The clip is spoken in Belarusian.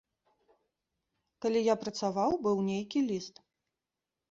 Калі я працаваў, быў нейкі ліст.